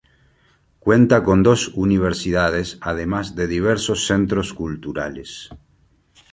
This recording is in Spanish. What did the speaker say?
Cuenta con dos universidades además de diversos centros culturales.